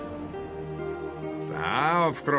［さあおふくろ。